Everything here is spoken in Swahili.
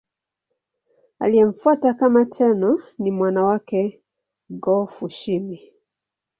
Aliyemfuata kama Tenno ni mwana wake Go-Fushimi.